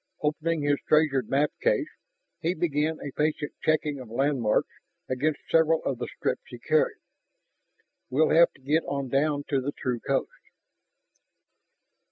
Opening his treasured map case, he began a patient checking of landmarks against several of the strips he carried. "We'll have to get on down to the true coast."